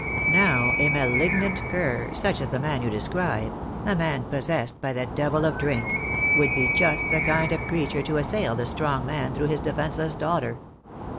Now, a malignant cur, such as the man you de scribe— a man possessed by the devil of drink — would be just the kind of creature to assail the strong man through his defenceless daughter.